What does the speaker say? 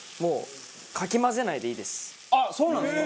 あっそうなんですか！